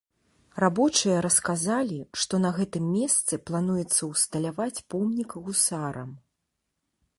Рабочыя расказалі, што на гэтым месцы плануецца ўсталяваць помнік гусарам.